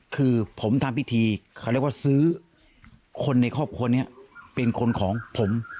คือผมทำพิธีเขาเรียกว่าซื้อคนในครอบครัวนี้เป็นคนของผม